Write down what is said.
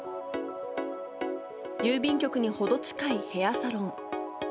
郵便局に程近いヘアサロン。